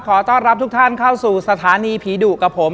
ขอต้อนรับทุกท่านเข้าสู่สถานีผีดุกับผม